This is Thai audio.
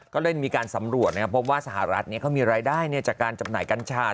ก็เลยมีการสำรวจนะครับพบว่าสหรัฐเขามีรายได้จากการจำหน่ายกัญชา